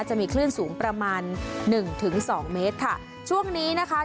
จะมีคลื่นสูงประมาณหนึ่งถึงสองเมตรค่ะช่วงนี้นะคะ